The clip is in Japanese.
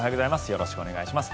よろしくお願いします。